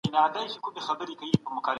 کتابونه د پاچاهانو د حکم په اساس لیکل کیږي.